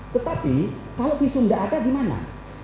tetapi kalau visum tidak ada di mana